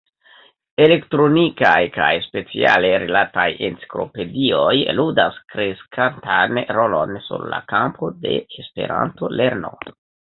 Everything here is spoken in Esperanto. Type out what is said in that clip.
Elektronikaj kaj speciale retaj enciklopedioj ludas kreskantan rolon sur la kampo de e-lerno.